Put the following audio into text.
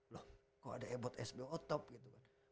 loh kok ada ebot sbo top gitu kan